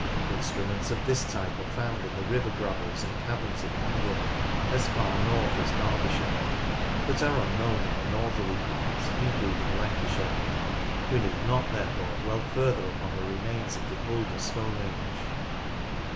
Instruments of this type are found in the river gravels and caverns of England as far north as Derbyshire, but are unknown in the northerly parts including Lancashire. We need not, therefore, dwell further upon the remains of the older Stone Age.